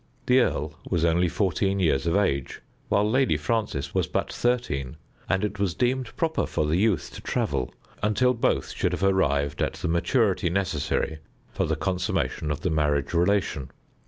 The earl was only fourteen years of age, while Lady Frances was but thirteen, and it was deemed proper for the youth to travel until both should have arrived at the maturity necessary for the consummation of the marriage relation.